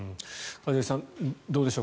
一茂さん、どうでしょう。